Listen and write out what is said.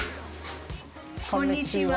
こんにちは。